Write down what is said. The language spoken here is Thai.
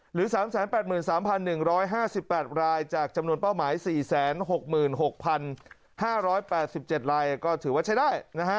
หรือ๓๘๓๑๕๘รายจากจำนวนเป้าหมาย๔๖๖๕๘๗รายก็ถือว่าใช้ได้